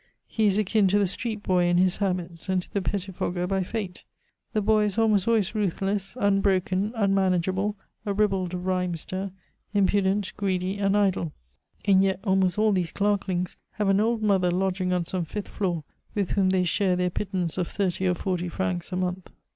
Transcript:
He is akin to the street boy in his habits, and to the pettifogger by fate. The boy is almost always ruthless, unbroken, unmanageable, a ribald rhymester, impudent, greedy, and idle. And yet, almost all these clerklings have an old mother lodging on some fifth floor with whom they share their pittance of thirty or forty francs a month.